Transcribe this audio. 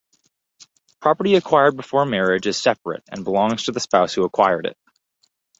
Property acquired before marriage is separate and belongs to the spouse who acquired it.